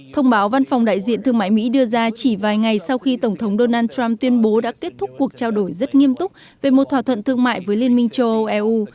thông báo văn phòng đại diện thương mại mỹ đưa ra chỉ vài ngày sau khi tổng thống donald trump tuyên bố đã kết thúc cuộc trao đổi rất nghiêm túc về một thỏa thuận thương mại với liên minh châu âu eu